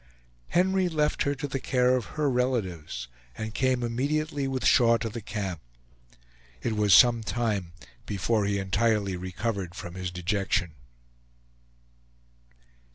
Henry left her to the care of her relatives, and came immediately with Shaw to the camp. It was some time before he entirely recovered from his dejection.